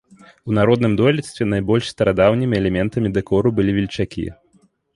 У народным дойлідстве найбольш старадаўнімі элементамі дэкору былі вільчакі.